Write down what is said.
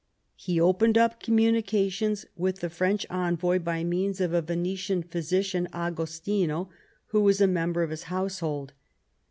He opened up communications with the French envoy by means of a Venetian physician, Agostino, who was a member of his household.